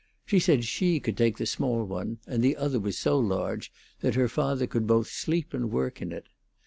She said she could take the small one, and the other was so large that her father could both sleep and work in it.